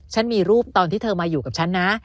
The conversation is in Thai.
มีรูปตอนที่เธอมาอยู่กับฉันนะ